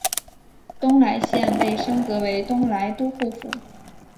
东莱县被升格为东莱都护府。